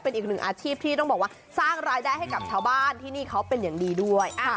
เป็นอีกหนึ่งอาชีพที่ต้องบอกว่าสร้างรายได้ให้กับชาวบ้านที่นี่เขาเป็นอย่างดีด้วย